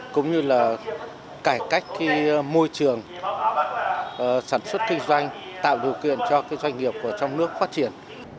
cũng như là cải cách cái môi trường sản xuất kinh doanh tạo điều kiện cho cái doanh nghiệp của trong nước phát triển